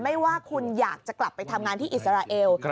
ไม่ว่าคุณอยากจะกลับไปทำงานที่อิสราเอล